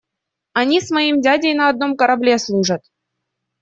Они с моим дядей на одном корабле служат.